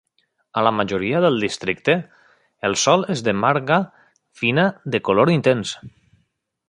A la majoria del districte, el sol és de marga fina de color intens.